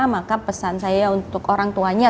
maka pesan saya untuk orang tuanya